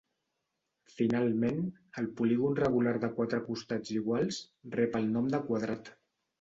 Finalment, el polígon regular de quatre costats iguals rep el nom de quadrat.